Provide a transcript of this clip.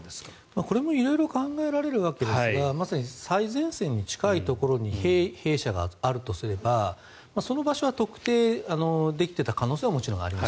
これも色々考えられるわけですが最前線に近いところに兵舎があるとすればその場所は特定できていた可能性はもちろんあります。